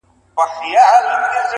دسبا د جنګ په تمه -